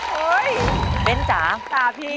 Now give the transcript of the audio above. เฮ้ยเบ้นจ๋าตาพี่